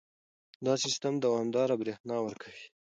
دا سیستم دوامداره برېښنا ورکوي.